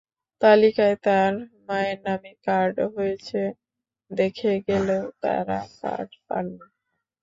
তালিকায় তাঁর মায়ের নামে কার্ড হয়েছে দেখা গেলেও তাঁরা কার্ড পাননি।